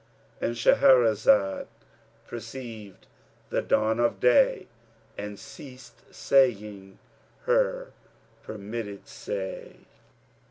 "—And Shahrazad perceived the dawn of day and ceased saying her permitted say.